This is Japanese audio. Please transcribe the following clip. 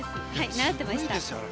習ってました。